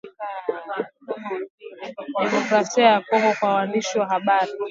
jeshi la jamhuri ya kidemokrasia ya Kongo kwa waandishi wa habari